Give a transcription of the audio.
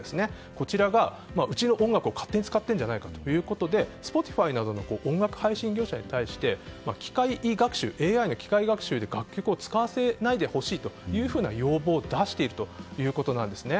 こちらがうちの音楽を勝手に使っているんじゃないかということでＳｐｏｔｉｆｙなどの音楽配信業者に対してＡＩの機械学習で楽曲を使わせないでほしいという要望を出しているということです。